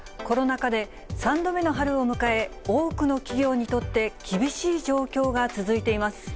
コロナ禍で３度目の春を迎え、多くの企業にとって厳しい状況が続いています。